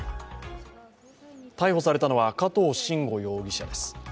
逮捕されたのは加藤臣吾容疑者です。